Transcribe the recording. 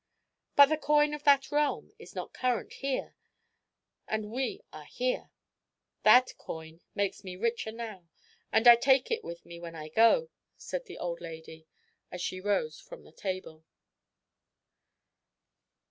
"But the coin of that realm is not current here? and we are here." "That coin makes me rich now; and I take it with me when I go," said the old lady, as she rose from the table.